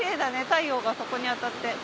太陽があそこに当たって。